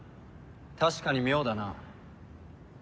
確かに妙だな。